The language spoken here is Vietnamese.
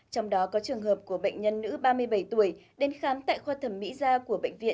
trong đó có trường hợp của bệnh nhân nữ ba mươi bảy tuổi đến khám tại khoa thẩm mỹ gia của bệnh viện